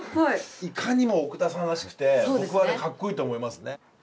いかにも奥田さんらしくて僕はかっこいいと思いますね。